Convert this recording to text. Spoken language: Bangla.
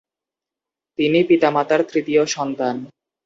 তিনি পিতামাতার তৃতীয় সন্তান।